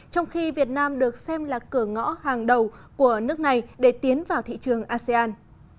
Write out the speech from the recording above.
trong khi việt nam được xem là cửa ngõ hàng đầu của nước này để tiến vào thị trường asean